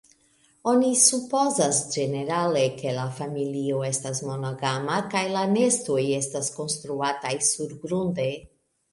Oni supozas ĝenerale, ke la familio estas monogama, kaj la nestoj estas konstruataj surgrunde.